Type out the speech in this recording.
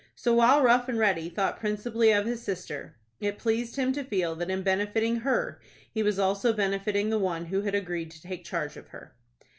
So, while Rough and Ready thought principally of his sister, it pleased him to feel that in benefiting her he was also benefiting the one who had agreed to take charge of her.